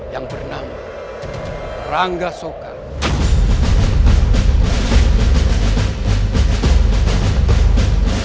yang bernama rangga sokak